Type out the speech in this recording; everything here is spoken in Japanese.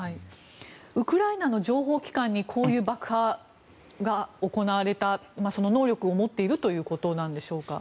ウクライナの情報機関にこういう爆破が行われた、能力を持っているということでしょうか？